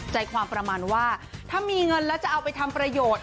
ใจความประมาณว่าถ้ามีเงินแล้วจะเอาไปทำประโยชน์